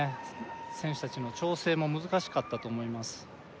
選手達の調整も難しかったと思います